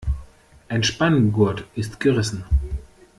Ein Spanngurt ist gerissen.